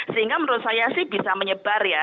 sehingga menurut saya sih bisa menyebar ya